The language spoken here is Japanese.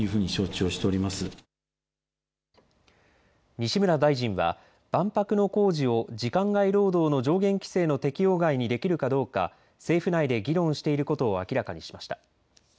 西村大臣は万博の工事を時間外労働の上限規制の適用外にできるかどうか政府内で議論していることを明らかにしました。